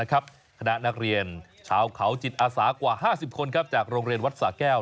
คณะนักเรียนชาวเขาจิตอาสากว่า๕๐คนจากโรงเรียนวัดสะแก้ว